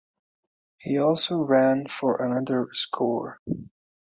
He also ran for another score.